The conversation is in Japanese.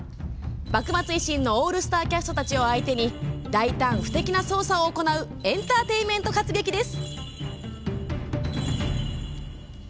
幕末維新のオールスターキャストたちを相手に大胆不敵な捜査を行うエンターテインメント活劇です。